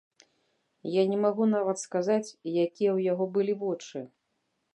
Я не магу нават сказаць, якія ў яго былі вочы.